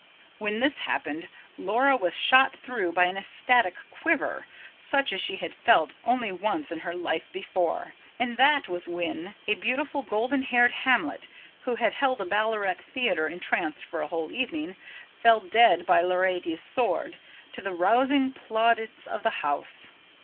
when this happened, Laura was shot through by an ecstatic quiver, such as she had felt once only in her life before; and that was when a beautiful, golden haired Hamlet, who had held a Ballarat theatre entranced for a whole evening, fell dead by Laertes' sword, to the rousing plaudits of the house.